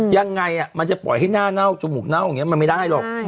ยังไงมันจะปล่อยให้หน้าเน่าจมูกเน่าอย่างนี้มันไม่ได้หรอก